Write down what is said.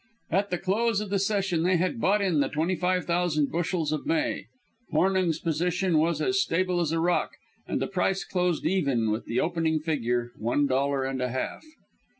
At the close of the session they had bought in the twenty five thousand bushels of May. Hornung's position was as stable as a rock, and the price closed even with the opening figure one dollar and a half.